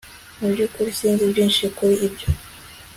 mu byukuri sinzi byinshi kuri ibyo